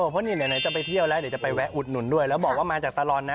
เพราะนี่ไหนจะไปเที่ยวแล้วเดี๋ยวจะไปแวะอุดหนุนด้วยแล้วบอกว่ามาจากตลอดนะ